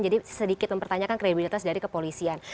jadi sedikit mempertanyakan kreativitas dari kepolisian